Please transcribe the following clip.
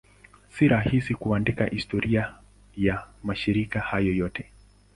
Si rahisi kuandika historia ya mashirika hayo yote.